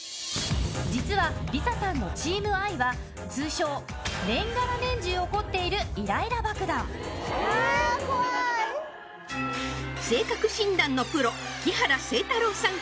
実はＬＩＳＡさんのチームＩは通称年がら年中怒っているイライラ爆弾性格診断のプロ木原誠太郎さん